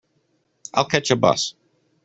I'll catch a bus.